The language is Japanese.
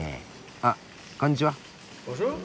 あっこんにちは。